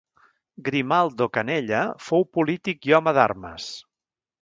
Grimaldo Canella fou polític i home d'armes.